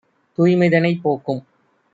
தூய்மைதனைப் போக்கும்!